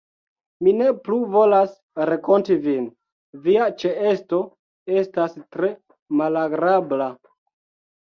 Mi ne plu volas renkonti vin, via ĉeesto estas tre malagrabla.